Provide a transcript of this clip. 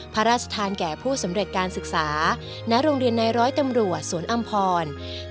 พระราชทานแก่ผู้สำเร็จการศึกษาณโรงเรียนในร้อยตำรวจสวนอำพร